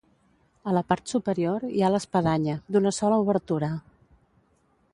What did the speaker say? A la part superior hi ha l'espadanya, d'una sola obertura.